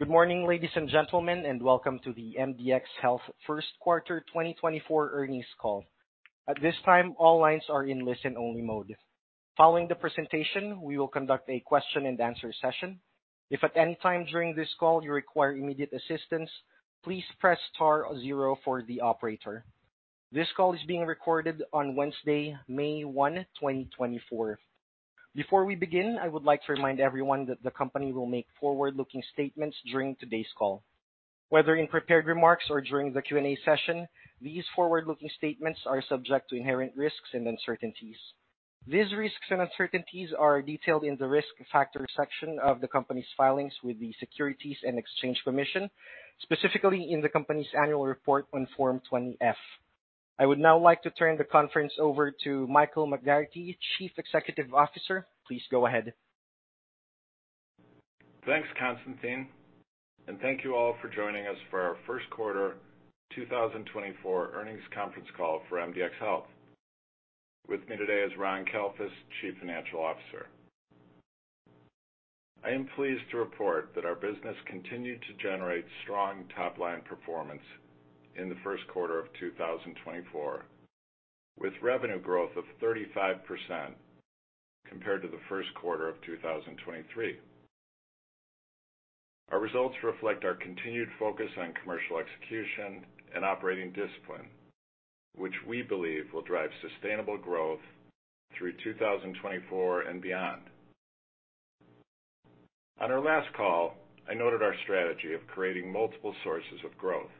Good morning, ladies and gentlemen, and welcome to the MDxHealth first quarter 2024 earnings call. At this time, all lines are in listen-only mode. Following the presentation, we will conduct a question-and-answer session. If at any time during this call you require immediate assistance, please press star zero for the operator. This call is being recorded on Wednesday, May 1, 2024. Before we begin, I would like to remind everyone that the company will make forward-looking statements during today's call. Whether in prepared remarks or during the Q&A session, these forward-looking statements are subject to inherent risks and uncertainties. These risks and uncertainties are detailed in the risk factors section of the company's filings with the Securities and Exchange Commission, specifically in the company's annual report on Form 20-F. I would now like to turn the conference over to Michael McGarrity, Chief Executive Officer. Please go ahead. Thanks, Constantine, and thank you all for joining us for our first quarter 2024 earnings conference call for MDxHealth. With me today is Ron Kalfus, Chief Financial Officer. I am pleased to report that our business continued to generate strong top-line performance in the first quarter of 2024, with revenue growth of 35% compared to the first quarter of 2023. Our results reflect our continued focus on commercial execution and operating discipline, which we believe will drive sustainable growth through 2024 and beyond. On our last call, I noted our strategy of creating multiple sources of growth.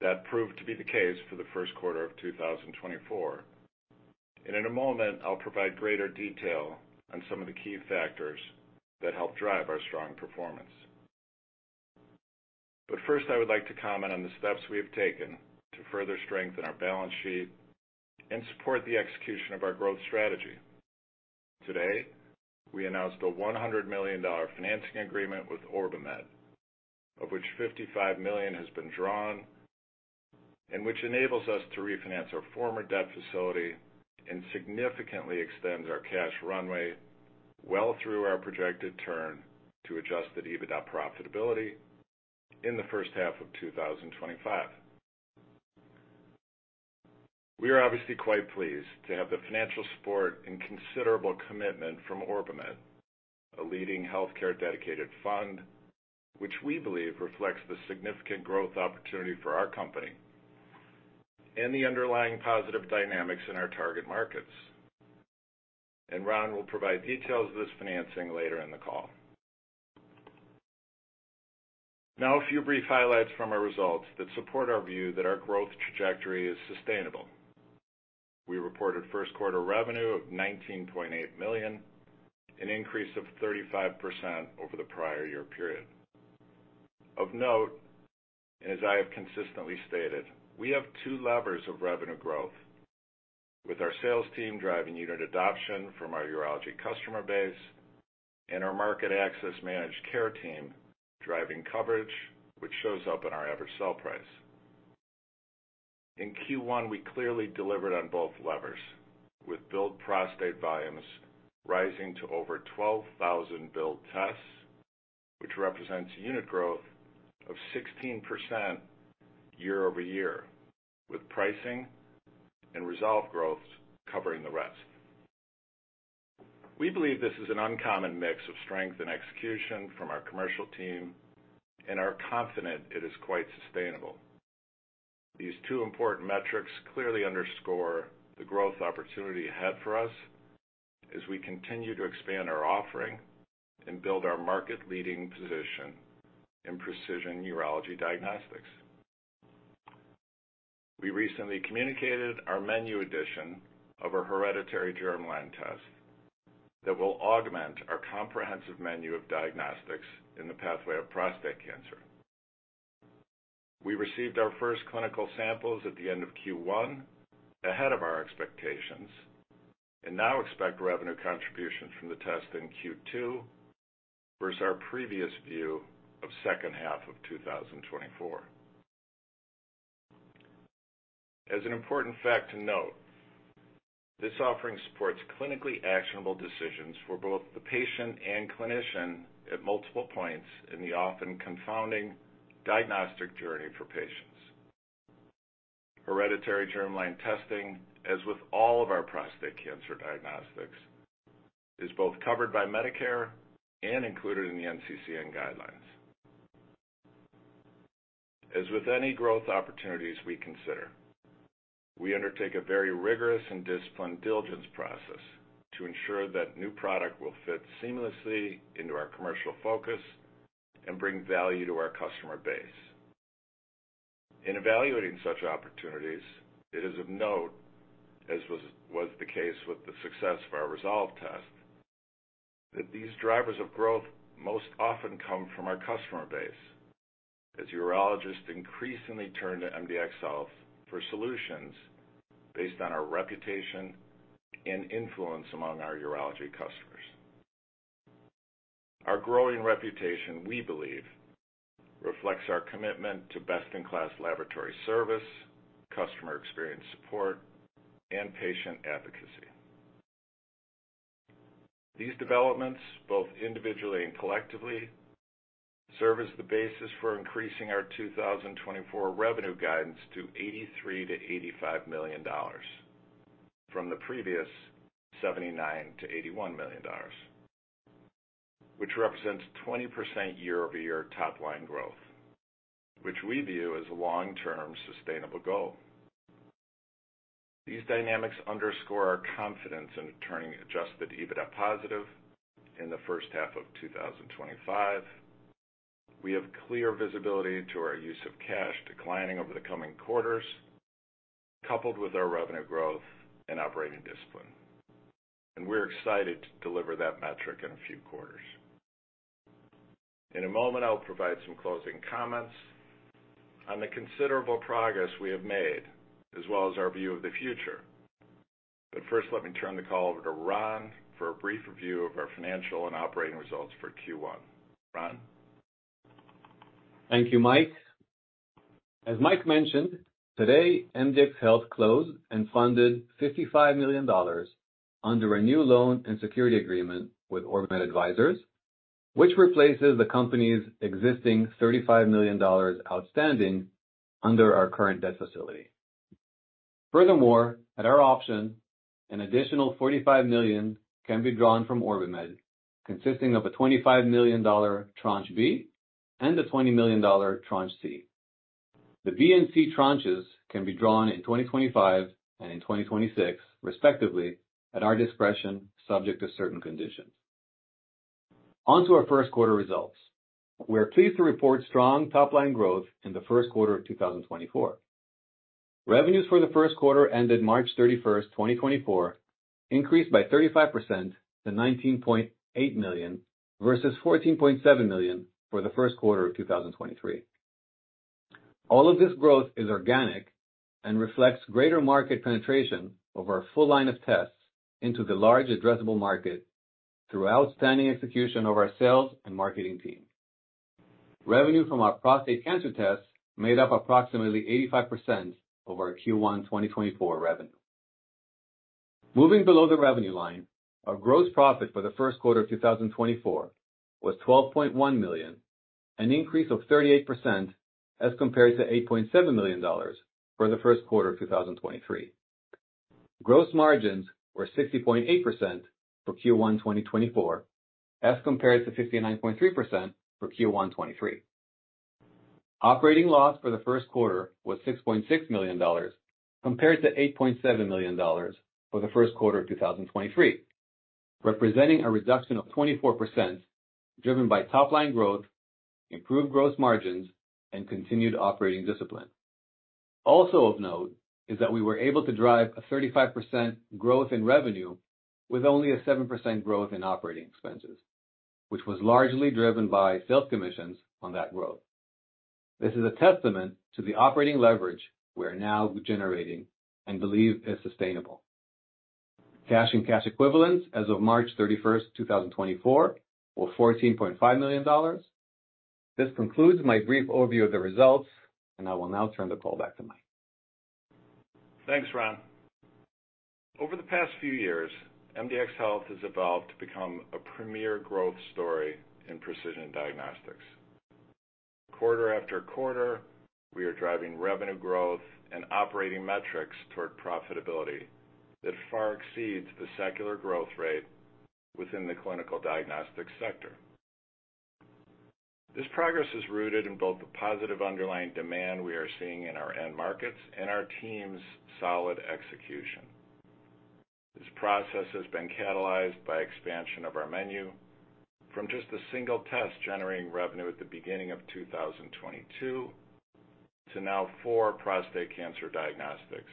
That proved to be the case for the first quarter of 2024, and in a moment, I'll provide greater detail on some of the key factors that help drive our strong performance. But first, I would like to comment on the steps we have taken to further strengthen our balance sheet and support the execution of our growth strategy. Today, we announced a $100 million financing agreement with OrbiMed, of which $55 million has been drawn, and which enables us to refinance our former debt facility and significantly extends our cash runway well through our projected turn to adjusted EBITDA profitability in the first half of 2025. We are obviously quite pleased to have the financial support and considerable commitment from OrbiMed, a leading healthcare-dedicated fund, which we believe reflects the significant growth opportunity for our company and the underlying positive dynamics in our target markets. Ron will provide details of this financing later in the call. Now, a few brief highlights from our results that support our view that our growth trajectory is sustainable. We reported first quarter revenue of $19.8 million, an increase of 35% over the prior year period. Of note, as I have consistently stated, we have two levers of revenue growth, with our sales team driving unit adoption from our urology customer base and our market access managed care team driving coverage, which shows up in our average sell price. In Q1, we clearly delivered on both levers, with billed prostate volumes rising to over 12,000 billed tests, which represents unit growth of 16% year-over-year, with pricing and Resolve growth covering the rest. We believe this is an uncommon mix of strength and execution from our commercial team and are confident it is quite sustainable. These two important metrics clearly underscore the growth opportunity ahead for us as we continue to expand our offering and build our market-leading position in precision urology diagnostics. We recently communicated our menu addition of a hereditary germline test that will augment our comprehensive menu of diagnostics in the pathway of prostate cancer. We received our first clinical samples at the end of Q1, ahead of our expectations, and now expect revenue contributions from the test in Q2 versus our previous view of second half of 2024. As an important fact to note, this offering supports clinically actionable decisions for both the patient and clinician at multiple points in the often confounding diagnostic journey for patients. Hereditary germline testing, as with all of our prostate cancer diagnostics, is both covered by Medicare and included in the NCCN guidelines. As with any growth opportunities we consider, we undertake a very rigorous and disciplined diligence process to ensure that new product will fit seamlessly into our commercial focus and bring value to our customer base. In evaluating such opportunities, it is of note, as was the case with the success of our Resolve test, that these drivers of growth most often come from our customer base, as urologists increasingly turn to MDxHealth for solutions based on our reputation and influence among our urology customers. Our growing reputation, we believe, reflects our commitment to best-in-class laboratory service, customer experience support, and patient advocacy. These developments, both individually and collectively, serve as the basis for increasing our 2024 revenue guidance to $83 million-$85 million from the previous $79 million-$81 million, which represents 20% year-over-year top-line growth, which we view as a long-term sustainable goal. These dynamics underscore our confidence in turning adjusted EBITDA positive in the first half of 2025. We have clear visibility to our use of cash declining over the coming quarters, coupled with our revenue growth and operating discipline, and we're excited to deliver that metric in a few quarters. In a moment, I'll provide some closing comments on the considerable progress we have made, as well as our view of the future. But first, let me turn the call over to Ron for a brief review of our financial and operating results for Q1. Ron? Thank you, Mike. As Mike mentioned, today, MDxHealth closed and funded $55 million under a new loan and security agreement with OrbiMed, which replaces the company's existing $35 million outstanding under our current debt facility. Furthermore, at our option, an additional $45 million can be drawn from OrbiMed, consisting of a $25 million tranche B and a $20 million tranche C. The B and C tranches can be drawn in 2025 and in 2026, respectively, at our discretion, subject to certain conditions. On to our first quarter results. We are pleased to report strong top-line growth in the first quarter of 2024. Revenues for the first quarter ended March 31st, 2024, increased by 35% to $19.8 million, versus $14.7 million for the first quarter of 2023. All of this growth is organic and reflects greater market penetration of our full line of tests into the large addressable market through outstanding execution of our sales and marketing team. Revenue from our prostate cancer tests made up approximately 85% of our Q1 2024 revenue. Moving below the revenue line, our gross profit for the first quarter of 2024 was $12.1 million, an increase of 38% as compared to $8.7 million for the first quarter of 2023. Gross margins were 60.8% for Q1 2024, as compared to 59.3% for Q1 2023. Operating loss for the first quarter was $6.6 million, compared to $8.7 million for the first quarter of 2023, representing a reduction of 24%, driven by top-line growth, improved gross margins, and continued operating discipline. Also of note is that we were able to drive a 35% growth in revenue with only a 7% growth in operating expenses, which was largely driven by sales commissions on that growth. This is a testament to the operating leverage we are now generating and believe is sustainable. Cash and cash equivalents as of March 31st, 2024, were $14.5 million. This concludes my brief overview of the results, and I will now turn the call back to Mike. Thanks, Ron. Over the past few years, MDxHealth has evolved to become a premier growth story in precision diagnostics. Quarter after quarter, we are driving revenue growth and operating metrics toward profitability that far exceeds the secular growth rate within the clinical diagnostics sector. This progress is rooted in both the positive underlying demand we are seeing in our end markets and our team's solid execution. This process has been catalyzed by expansion of our menu from just a single test generating revenue at the beginning of 2022, to now four prostate cancer diagnostics,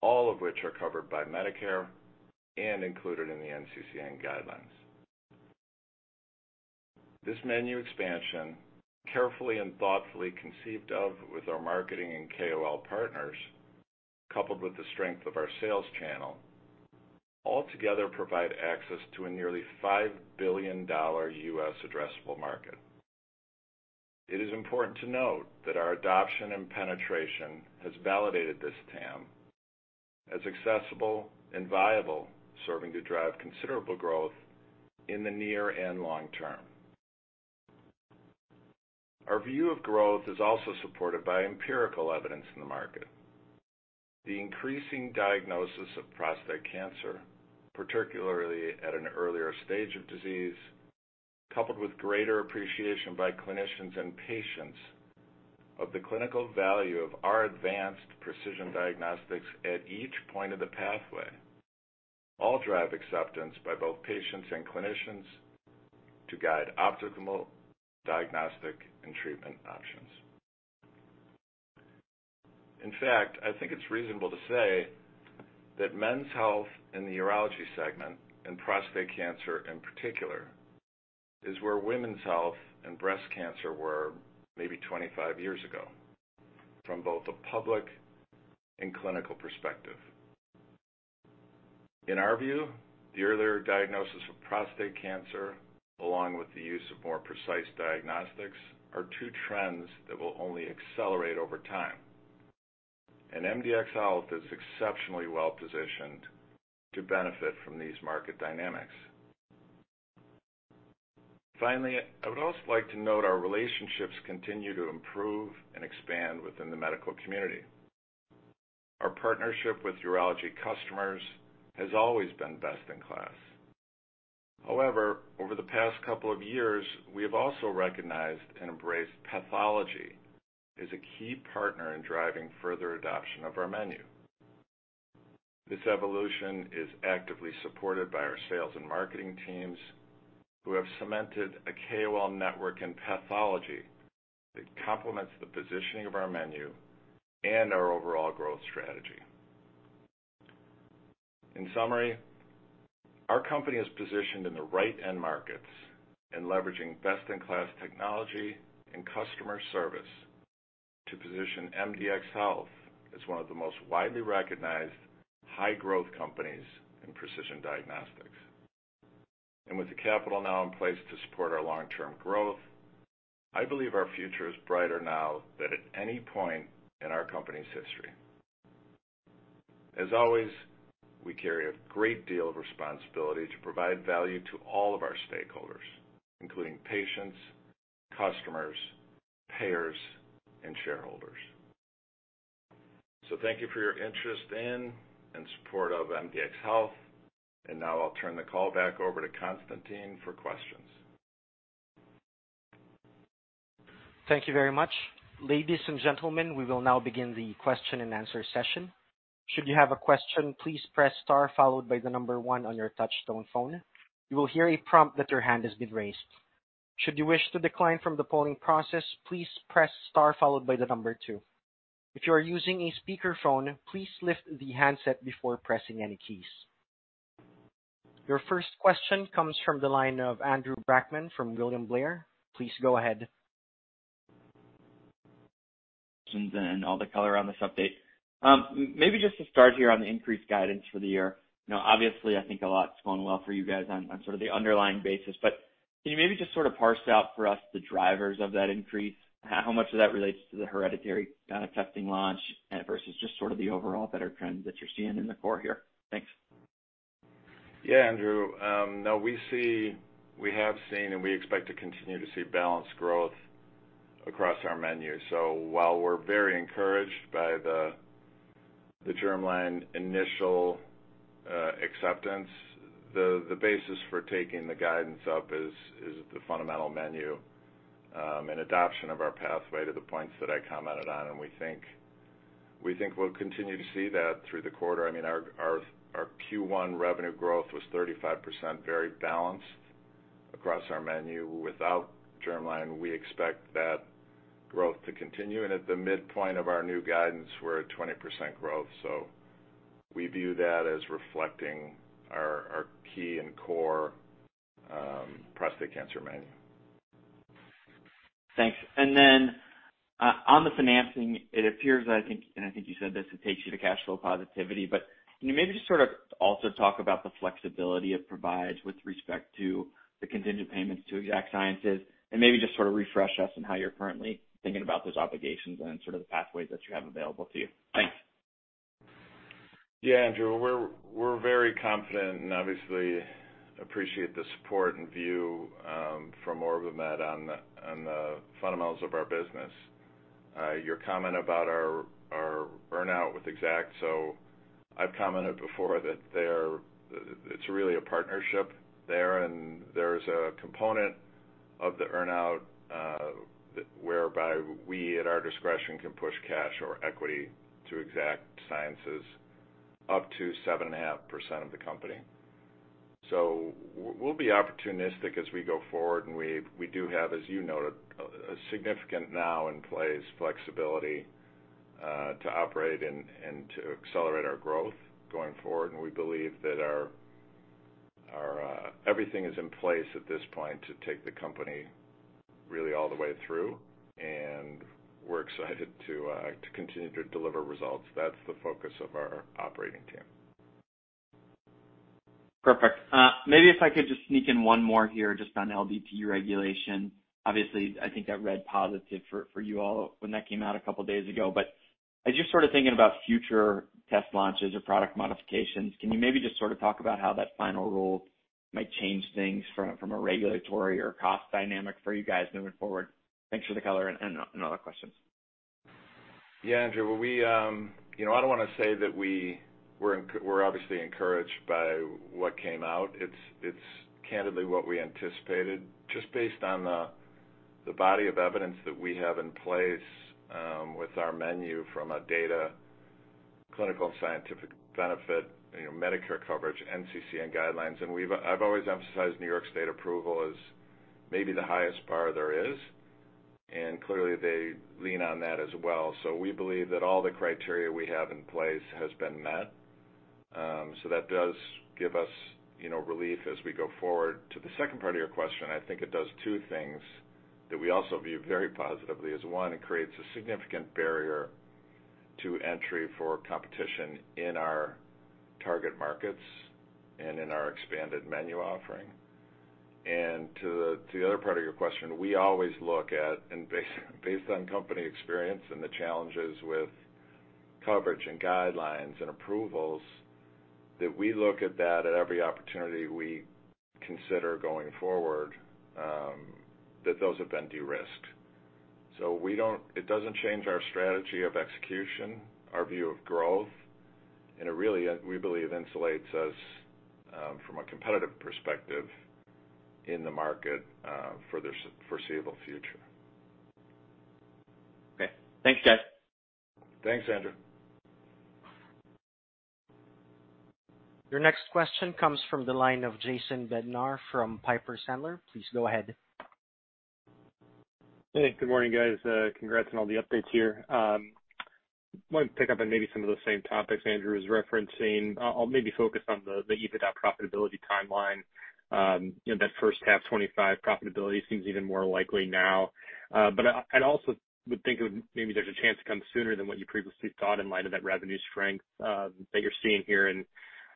all of which are covered by Medicare and included in the NCCN guidelines. This menu expansion, carefully and thoughtfully conceived of with our marketing and KOL partners, coupled with the strength of our sales channel, altogether provide access to a nearly $5 billion U.S. addressable market. It is important to note that our adoption and penetration has validated this TAM as accessible and viable, serving to drive considerable growth in the near and long term. Our view of growth is also supported by empirical evidence in the market. The increasing diagnosis of prostate cancer, particularly at an earlier stage of disease, coupled with greater appreciation by clinicians and patients of the clinical value of our advanced precision diagnostics at each point of the pathway, all drive acceptance by both patients and clinicians to guide optimal diagnostic and treatment options. In fact, I think it's reasonable to say that men's health in the urology segment, and prostate cancer in particular, is where women's health and breast cancer were maybe 25 years ago, from both a public and clinical perspective. In our view, the earlier diagnosis of prostate cancer, along with the use of more precise diagnostics, are two trends that will only accelerate over time. MDxHealth is exceptionally well-positioned to benefit from these market dynamics. Finally, I would also like to note our relationships continue to improve and expand within the medical community. Our partnership with urology customers has always been best in class. However, over the past couple of years, we have also recognized and embraced pathology as a key partner in driving further adoption of our menu. This evolution is actively supported by our sales and marketing teams, who have cemented a KOL network and pathology that complements the positioning of our menu and our overall growth strategy. In summary, our company is positioned in the right end markets and leveraging best-in-class technology and customer service to position MDxHealth as one of the most widely recognized high-growth companies in precision diagnostics. With the capital now in place to support our long-term growth, I believe our future is brighter now than at any point in our company's history. As always, we carry a great deal of responsibility to provide value to all of our stakeholders, including patients, customers, payers, and shareholders. Thank you for your interest in and support of MDxHealth. Now I'll turn the call back over to Constantine for questions. Thank you very much. Ladies and gentlemen, we will now begin the question-and-answer session. Should you have a question, please press star followed by the number one on your touchtone phone. You will hear a prompt that your hand has been raised. Should you wish to decline from the polling process, please press star followed by the number two. If you are using a speakerphone, please lift the handset before pressing any keys. Your first question comes from the line of Andrew Brackmann from William Blair. Please go ahead. And then all the color on this update. Maybe just to start here on the increased guidance for the year. Now, obviously, I think a lot is going well for you guys on, on sort of the underlying basis, but can you maybe just sort of parse out for us the drivers of that increase? How much of that relates to the hereditary testing launch and versus just sort of the overall better trend that you're seeing in the core here? Thanks. Yeah, Andrew. No, we see. We have seen, and we expect to continue to see balanced growth across our menu. So while we're very encouraged by the, the germline initial acceptance, the, the basis for taking the guidance up is, is the fundamental menu, and adoption of our pathway to the points that I commented on, and we think, we think we'll continue to see that through the quarter. I mean, our, our, our Q1 revenue growth was 35%, very balanced across our menu. Without germline, we expect that growth to continue, and at the midpoint of our new guidance, we're at 20% growth. So we view that as reflecting our, our key and core, prostate cancer menu. Thanks. And then, on the financing, it appears, I think, and I think you said this, it takes you to cash flow positivity, but can you maybe just sort of also talk about the flexibility it provides with respect to the contingent payments to Exact Sciences, and maybe just sort of refresh us on how you're currently thinking about those obligations and sort of the pathways that you have available to you? Thanks. Yeah, Andrew, we're, we're very confident and obviously appreciate the support and view from OrbiMed on the fundamentals of our business. Your comment about our earn-out with Exact, so I've commented before that they're, it's really a partnership there, and there's a component of the earn-out that whereby we, at our discretion, can push cash or equity to Exact Sciences up to 7.5% of the company. So we'll be opportunistic as we go forward, and we, we do have, as you noted, a significant now in place flexibility to operate and to accelerate our growth going forward. And we believe that our, our, everything is in place at this point to take the company really all the way through, and we're excited to continue to deliver results. That's the focus of our operating team. Perfect. Maybe if I could just sneak in one more here, just on LDT regulation. Obviously, I think that read positive for, for you all when that came out a couple days ago. But as you're sort of thinking about future test launches or product modifications, can you maybe just sort of talk about how that final rule might change things from a, from a regulatory or cost dynamic for you guys moving forward? Thanks for the color and, and another questions. Yeah, Andrew. Well, we, you know, I don't want to say that we're obviously encouraged by what came out. It's candidly what we anticipated, just based on the body of evidence that we have in place with our menu from a data, clinical, and scientific benefit, you know, Medicare coverage, NCCN guidelines. I've always emphasized New York State approval as maybe the highest bar there is, and clearly, they lean on that as well. So we believe that all the criteria we have in place has been met, so that does give us, you know, relief as we go forward. To the second part of your question, I think it does two things that we also view very positively. One, it creates a significant barrier to entry for competition in our target markets and in our expanded menu offering. And to the other part of your question, we always look at, and based on company experience and the challenges with coverage and guidelines and approvals, that we look at that at every opportunity we consider going forward, that those have been de-risked. So we don't. It doesn't change our strategy of execution, our view of growth, and it really, we believe, insulates us from a competitive perspective in the market, for the foreseeable future. Okay. Thanks, guys. Thanks, Andrew. Your next question comes from the line of Jason Bednar from Piper Sandler. Please go ahead. Hey, good morning, guys. Congrats on all the updates here. Wanted to pick up on maybe some of the same topics Andrew is referencing. I'll maybe focus on the EBITDA profitability timeline. You know, that first half 2025 profitability seems even more likely now. But I'd also would think of maybe there's a chance it comes sooner than what you previously thought in light of that revenue strength that you're seeing here. And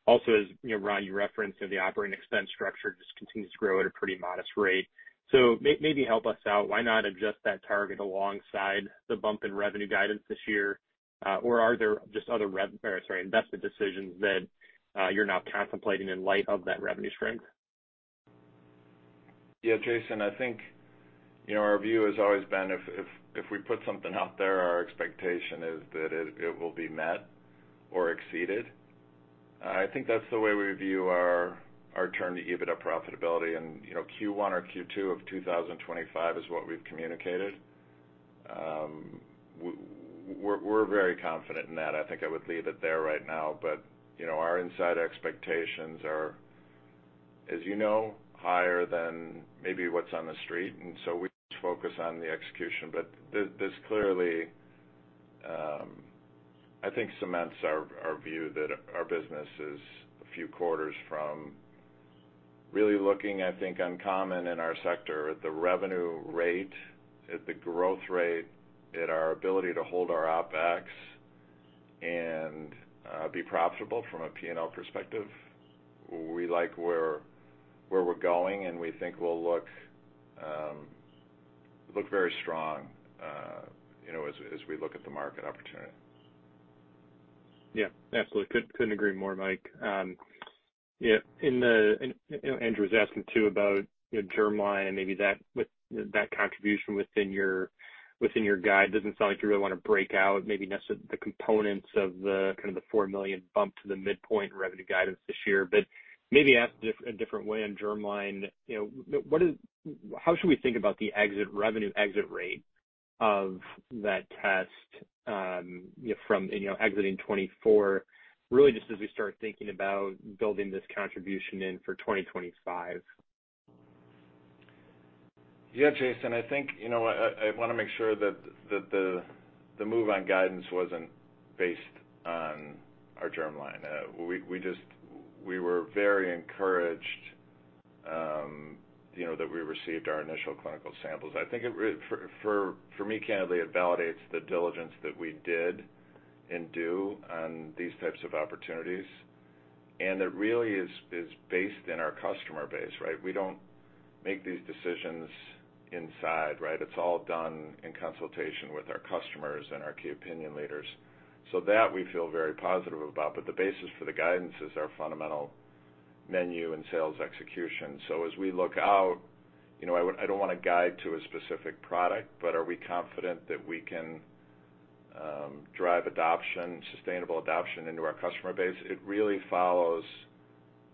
also, you know, Ron, you referenced, you know, the operating expense structure just continues to grow at a pretty modest rate. So maybe help us out. Why not adjust that target alongside the bump in revenue guidance this year? Or sorry, investment decisions that you're now contemplating in light of that revenue strength? Yeah, Jason, I think, you know, our view has always been if we put something out there, our expectation is that it will be met or exceeded. I think that's the way we view our turn to EBITDA profitability. And, you know, Q1 or Q2 of 2025 is what we've communicated. We're very confident in that. I think I would leave it there right now. But, you know, our inside expectations are, as you know, higher than maybe what's on the street, and so we just focus on the execution. But this clearly, I think, cements our view that our business is a few quarters from really looking, I think, uncommon in our sector at the revenue rate, at the growth rate, at our ability to hold our OpEx and be profitable from a P&L perspective. We like where we're going, and we think we'll look very strong, you know, as we look at the market opportunity. Yeah, absolutely. Couldn't agree more, Mike. And, you know, Andrew was asking, too, about, you know, germline and maybe that, with that contribution within your, within your guide. Doesn't sound like you really want to break out maybe necessarily the components of the, kind of, the $4 million bump to the midpoint revenue guidance this year. But maybe ask a different way on germline. You know, what is how should we think about the exit, revenue exit rate of that test, you know, from, you know, exiting 2024? Really just as we start thinking about building this contribution in for 2025. Yeah, Jason, I think, you know what, I want to make sure that the move on guidance wasn't based on our germline. We just, we were very encouraged, you know, that we received our initial clinical samples. I think, for me, candidly, it validates the diligence that we did and do on these types of opportunities, and it really is based in our customer base, right? We don't make these decisions inside, right? It's all done in consultation with our customers and our key opinion leaders. So that we feel very positive about, but the basis for the guidance is our fundamental menu and sales execution. So as we look out, you know, I would, I don't want to guide to a specific product, but are we confident that we can drive adoption, sustainable adoption into our customer base? It really follows.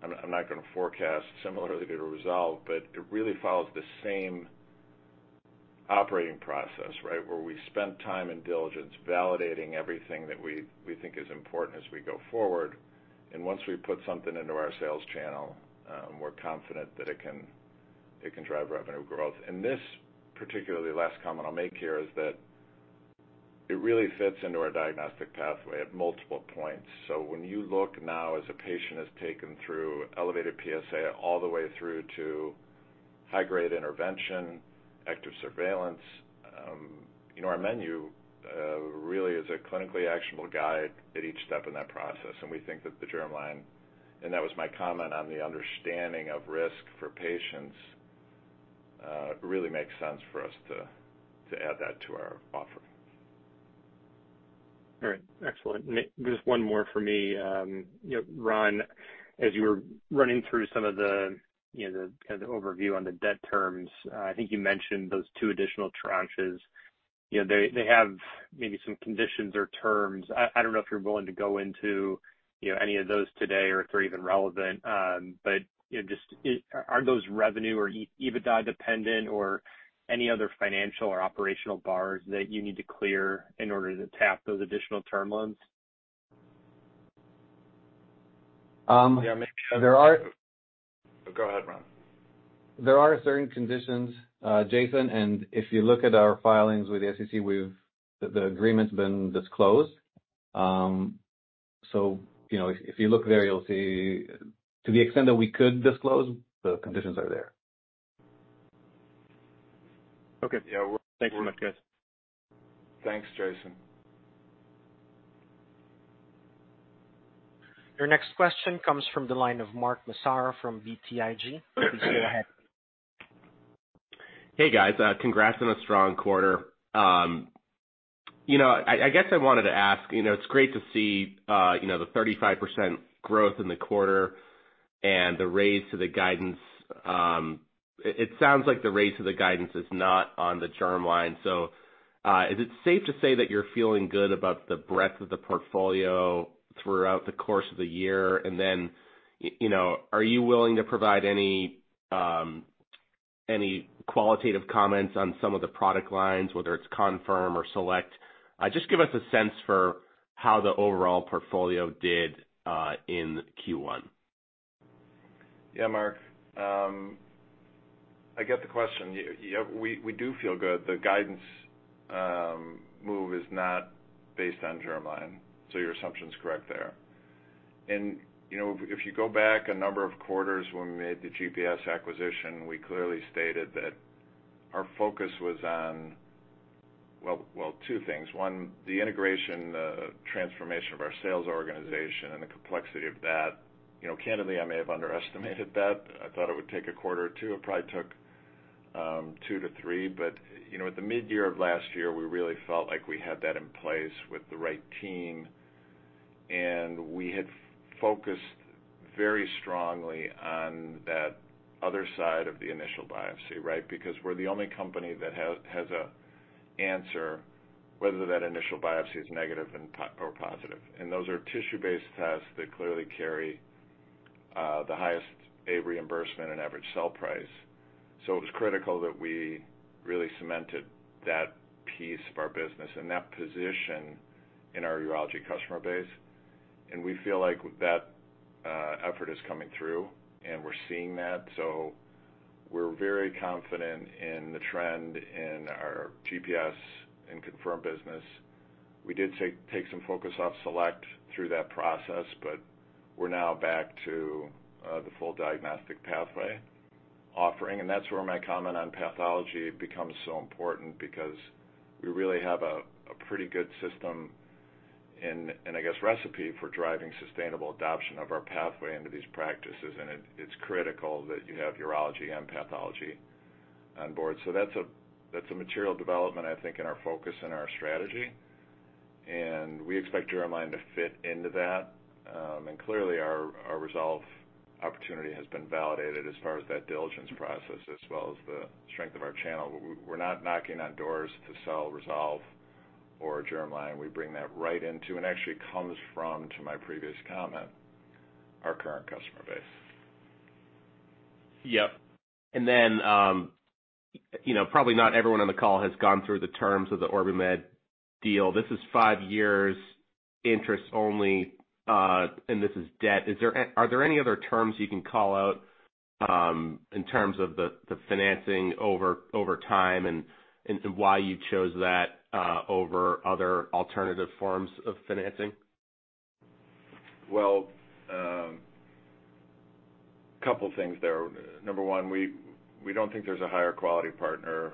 I'm, I'm not going to forecast similarly to Resolve, but it really follows the same operating process, right? Where we spend time and diligence validating everything that we, we think is important as we go forward. And once we put something into our sales channel, we're confident that it can, it can drive revenue growth. And this, particularly last comment I'll make here, is that it really fits into our diagnostic pathway at multiple points. So when you look now as a patient is taken through elevated PSA all the way through to high-grade intervention, active surveillance, you know, our menu really is a clinically actionable guide at each step in that process, and we think that the germline, and that was my comment on the understanding of risk for patients, really makes sense for us to add that to our offering. All right. Excellent. Just one more for me. You know, Ron, as you were running through some of the, you know, the kind of the overview on the debt terms, I think you mentioned those two additional tranches. You know, they, they have maybe some conditions or terms. I, I don't know if you're willing to go into, you know, any of those today or if they're even relevant. But, you know, just, are those revenue or EBITDA dependent, or any other financial or operational bars that you need to clear in order to tap those additional term loans? There are. Go ahead, Ron. There are certain conditions, Jason, and if you look at our filings with the SEC, we've the agreement's been disclosed. So, you know, if you look there, you'll see, to the extent that we could disclose, the conditions are there. Okay. Yeah. Thanks so much, guys. Thanks, Jason. Your next question comes from the line of Mark Massaro from BTIG. Please go ahead. Hey, guys. Congrats on a strong quarter. You know, I guess I wanted to ask, you know, it's great to see, you know, the 35% growth in the quarter and the raise to the guidance. It sounds like the raise to the guidance is not on the germline. So, is it safe to say that you're feeling good about the breadth of the portfolio throughout the course of the year? And then, you know, are you willing to provide any, any qualitative comments on some of the product lines, whether it's Confirm or Select? Just give us a sense for how the overall portfolio did, in Q1. Yeah, Mark, I get the question. Yeah, we do feel good. The guidance move is not based on germline, so your assumption is correct there. And, you know, if you go back a number of quarters when we made the GPS acquisition, we clearly stated that our focus was on two things. One, the integration, transformation of our sales organization and the complexity of that. You know, candidly, I may have underestimated that. I thought it would take a quarter or two. It probably took two to three, but, you know, at the midyear of last year, we really felt like we had that in place with the right team, and we had focused very strongly on that other side of the initial biopsy, right? Because we're the only company that has an answer, whether that initial biopsy is negative or positive. And those are tissue-based tests that clearly carry the highest aid reimbursement and average sale price. So it was critical that we really cemented that piece of our business and that position in our urology customer base. And we feel like that effort is coming through, and we're seeing that. So we're very confident in the trend in our GPS and Confirm business. We did take some focus off Select through that process, but we're now back to the full diagnostic pathway offering. And that's where my comment on pathology becomes so important because we really have a pretty good system and I guess recipe for driving sustainable adoption of our pathway into these practices, and it's critical that you have urology and pathology on board. So that's a material development, I think, in our focus and our strategy, and we expect germline to fit into that. And clearly, our Resolve opportunity has been validated as far as that diligence process, as well as the strength of our channel. We're not knocking on doors to sell Resolve or Germline. We bring that right into, and actually comes from, to my previous comment, our current customer base. Yep. And then, you know, probably not everyone on the call has gone through the terms of the OrbiMed deal. This is five years interest only, and this is debt. Are there any other terms you can call out, in terms of the financing over time and why you chose that over other alternative forms of financing? Well, couple things there. Number one, we don't think there's a higher quality partner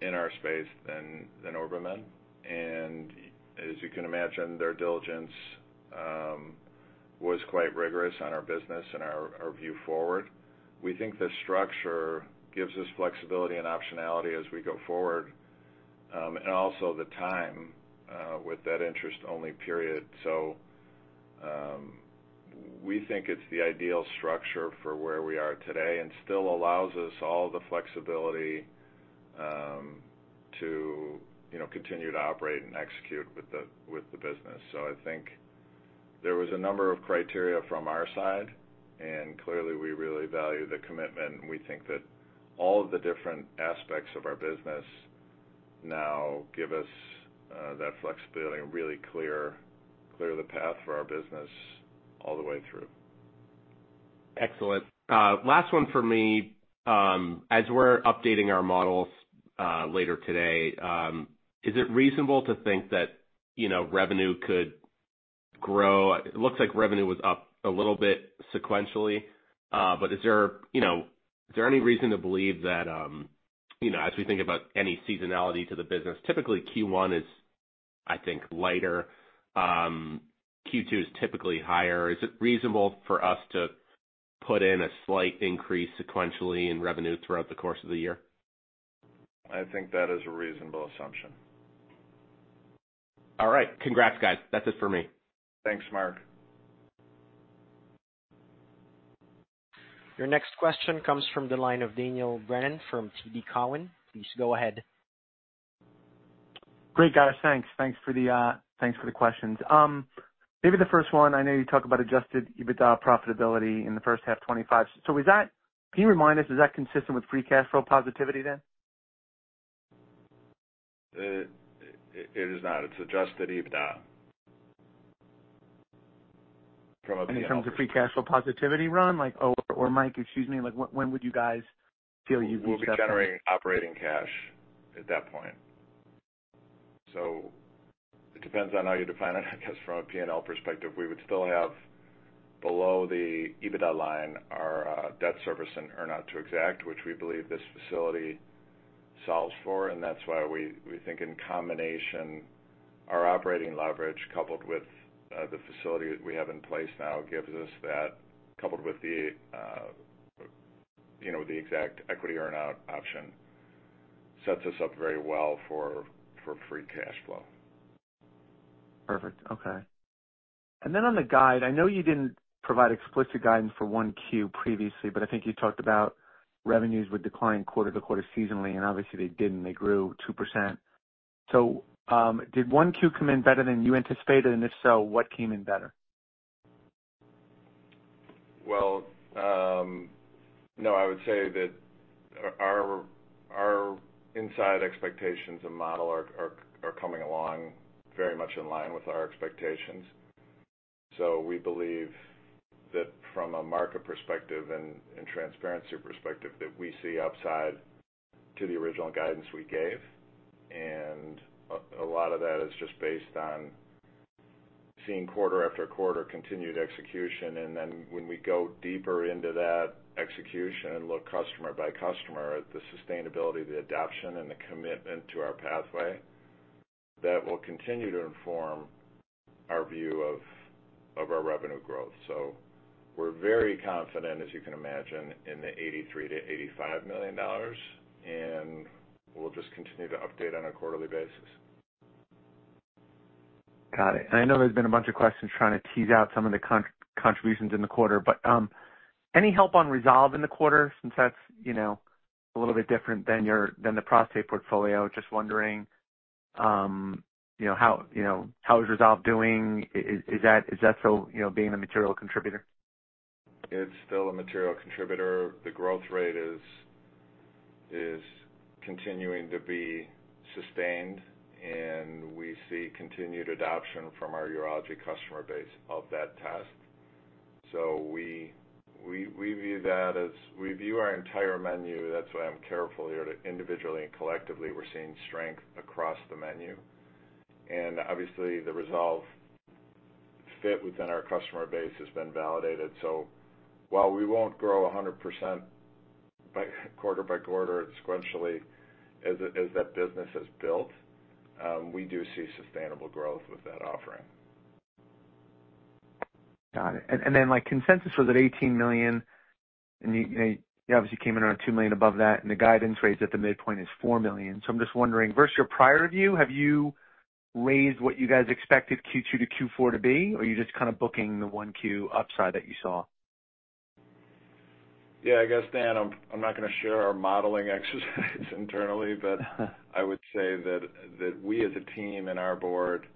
in our space than OrbiMed, and as you can imagine, their diligence was quite rigorous on our business and our view forward. We think the structure gives us flexibility and optionality as we go forward, and also the time with that interest-only period. So, we think it's the ideal structure for where we are today and still allows us all the flexibility to, you know, continue to operate and execute with the business. So I think there was a number of criteria from our side, and clearly, we really value the commitment, and we think that all of the different aspects of our business now give us that flexibility and really clear the path for our business all the way through. Excellent. Last one for me. As we're updating our models, later today, is it reasonable to think that, you know, revenue could grow? It looks like revenue was up a little bit sequentially, but is there, you know, is there any reason to believe that, you know, as we think about any seasonality to the business, typically Q1 is, I think, lighter. Q2 is typically higher. Is it reasonable for us to put in a slight increase sequentially in revenue throughout the course of the year? I think that is a reasonable assumption. All right. Congrats, guys. That's it for me. Thanks, Mark. Your next question comes from the line of Daniel Brennan from TD Cowen. Please go ahead. Great, guys. Thanks. Thanks for the questions. Maybe the first one, I know you talk about adjusted EBITDA profitability in the first half 2025. So was that, can you remind us, is that consistent with free cash flow positivity then? It is not. It's adjusted EBITDA from a. And in terms of free cash flow positivity run, like, oh, or Mike, excuse me, like, when would you guys feel you'd be? We'll be generating operating cash at that point. So it depends on how you define it. I guess from a P&L perspective, we would still have below the EBITDA line, our debt service and earn-out to Exact, which we believe this facility solves for, and that's why we think in combination, our operating leverage, coupled with the facility that we have in place now, gives us that, coupled with the, you know, the Exact equity earn out option, sets us up very well for free cash flow. Perfect. Okay. And then on the guide, I know you didn't provide explicit guidance for 1Q previously, but I think you talked about revenues would decline quarter to quarter seasonally, and obviously they didn't, they grew 2%. So, did 1Q come in better than you anticipated? And if so, what came in better? Well, no, I would say that our inside expectations and model are coming along very much in line with our expectations. So we believe that from a market perspective and transparency perspective, that we see upside to the original guidance we gave. And a lot of that is just based on seeing quarter after quarter continued execution, and then when we go deeper into that execution and look customer by customer, at the sustainability, the adoption, and the commitment to our pathway, that will continue to inform our view of our revenue growth. So we're very confident, as you can imagine, in the $83 million-$85 million, and we'll just continue to update on a quarterly basis. Got it. And I know there's been a bunch of questions trying to tease out some of the contributions in the quarter, but any help on Resolve in the quarter since that's, you know, a little bit different than the prostate portfolio? Just wondering, you know, how is Resolve doing? Is that still, you know, being a material contributor? It's still a material contributor. The growth rate is continuing to be sustained, and we see continued adoption from our urology customer base of that test. So we view that as, we view our entire menu, that's why I'm careful here, individually and collectively, we're seeing strength across the menu. And obviously, the Resolve fit within our customer base has been validated. So while we won't grow 100% by quarter by quarter sequentially, as that business is built, we do see sustainable growth with that offering. Got it. And then, my consensus was at $18 million, and you obviously came in around $2 million above that, and the guidance rate at the midpoint is $4 million. So I'm just wondering, versus your prior view, have you raised what you guys expected Q2 to Q4 to be, or are you just kind of booking the 1Q upside that you saw? Yeah, I guess, Dan, I'm not gonna share our modeling exercises internally, but I would say that we as a team and our board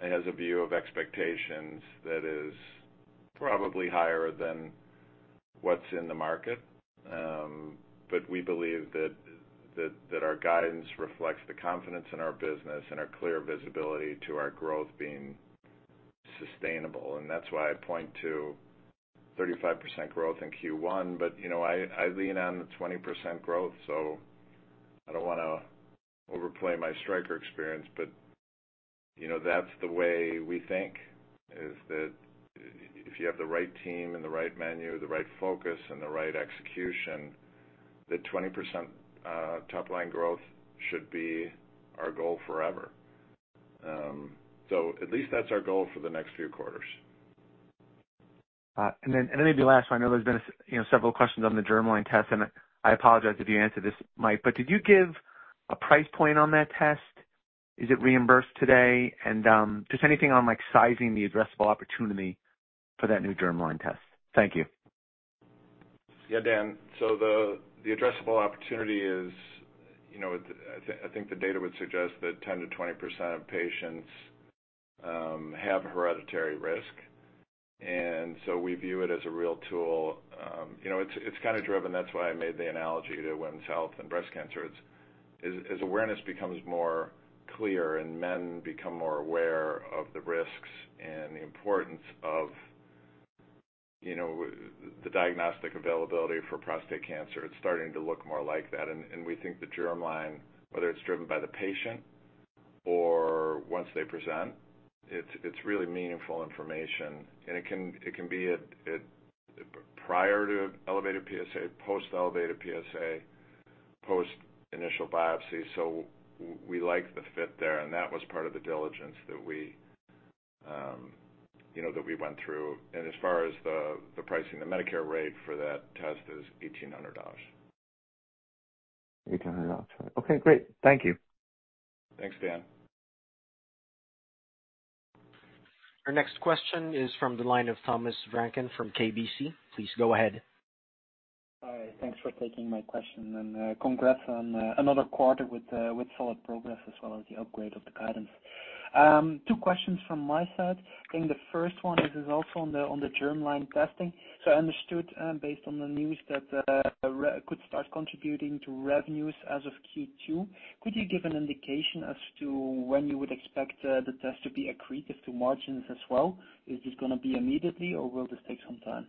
has a view of expectations that is probably higher than what's in the market. But we believe that our guidance reflects the confidence in our business and our clear visibility to our growth being sustainable, and that's why I point to 35% growth in Q1. But, you know, I lean on the 20% growth, so I don't wanna overplay my Stryker experience, but, you know, that's the way we think, is that if you have the right team and the right menu, the right focus and the right execution, that 20% top-line growth should be our goal forever. So at least that's our goal for the next few quarters. And then maybe last, I know there's been, you know, several questions on the germline test, and I apologize if you answered this, Mike, but did you give a price point on that test? Is it reimbursed today? And just anything on, like, sizing the addressable opportunity for that new germline test. Thank you. Yeah, Dan. So the addressable opportunity is, you know, I think the data would suggest that 10%-20% of patients have hereditary risk, and so we view it as a real tool. You know, it's kind of driven, that's why I made the analogy to women's health and breast cancer. It's as awareness becomes more clear and men become more aware of the risks and the importance of, you know, the diagnostic availability for prostate cancer, it's starting to look more like that. And we think the germline, whether it's driven by the patient or once they present, it's really meaningful information, and it can be at prior to elevated PSA, post elevated PSA, post initial biopsy. So we like the fit there, and that was part of the diligence that we, you know, that we went through. And as far as the pricing, the Medicare rate for that test is $1,800. $1,800. Okay, great. Thank you. Thanks, Dan. Our next question is from the line of Thomas Vranken from KBC. Please go ahead. Hi, thanks for taking my question, and congrats on another quarter with solid progress as well as the upgrade of the guidance. Two questions from my side. I think the first one is also on the germline testing. So I understood, based on the news that Resolve could start contributing to revenues as of Q2. Could you give an indication as to when you would expect the test to be accretive to margins as well? Is this gonna be immediately, or will this take some time?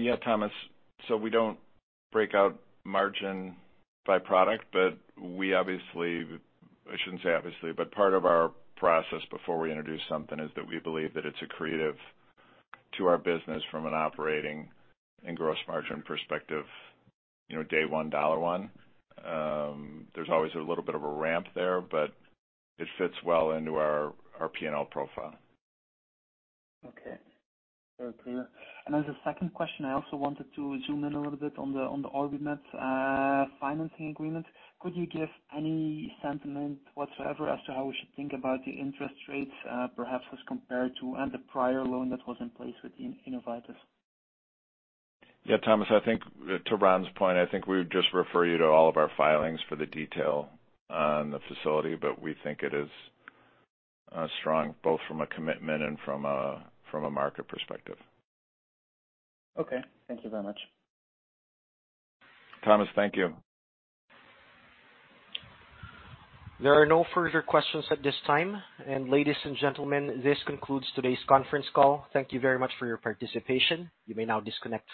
Yeah, Thomas. So we don't break out margin by product, but we obviously, I shouldn't say obviously, but part of our process before we introduce something is that we believe that it's accretive to our business from an operating and gross margin perspective, you know, day one, dollar one. There's always a little bit of a ramp there, but it fits well into our P&L profile. Okay, very clear. As a second question, I also wanted to zoom in a little bit on the OrbiMed financing agreement. Could you give any sentiment whatsoever as to how we should think about the interest rates, perhaps as compared to, and the prior loan that was in place with Innovatus? Yeah, Thomas, I think to Ron's point, I think we would just refer you to all of our filings for the detail on the facility, but we think it is strong, both from a commitment and from a market perspective. Okay. Thank you very much. Thomas, thank you. There are no further questions at this time. Ladies and gentlemen, this concludes today's conference call. Thank you very much for your participation. You may now disconnect.